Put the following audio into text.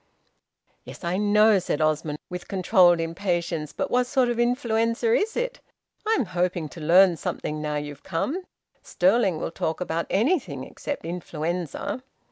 "Yes, I know," said Osmond, with controlled impatience. "But what sort of influenza is it? I'm hoping to learn something now you've come. Stirling will talk about anything except influenza."